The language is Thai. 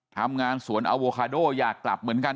ทำงานสวนอโวคาโดยากลับเหมือนกัน